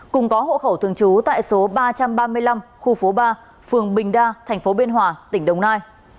cùng có hộ khẩu thường trú tại số ba trăm ba mươi năm khu phố ba phường bình đa thành phố biên hòa tỉnh đồng nai